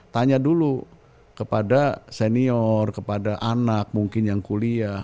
tanya dulu kepada senior kepada anak mungkin yang kuliah